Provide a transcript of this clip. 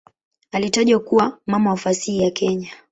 Alitajwa kuwa "mama wa fasihi ya Kenya".